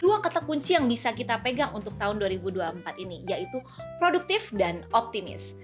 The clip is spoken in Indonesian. dua kata kunci yang bisa kita pegang untuk tahun dua ribu dua puluh empat ini yaitu produktif dan optimis